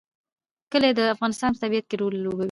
کلي د افغانستان په طبیعت کې رول لوبوي.